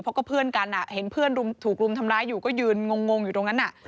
เพราะก็เพื่อนกันเห็นเพื่อนถูกรุมทำร้ายอยู่ก็ยืนงงอยู่ตรงนั้น